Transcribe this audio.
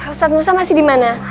ustadz ustadz masih dimana